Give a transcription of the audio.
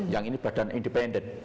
yang ini badan independen